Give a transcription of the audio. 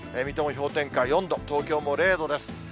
水戸も氷点下４度、東京も０度です。